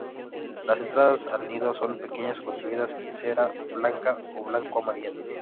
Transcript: Las entradas al nido son pequeñas, construidas en cera blanca o blanco amarillenta.